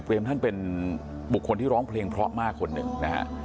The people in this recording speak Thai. พลปเกมท่านเป็นบุคคนที่ร้องเพลงเพราะมากคนนึง